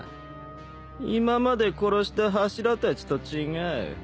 今まで殺した柱たちと違う。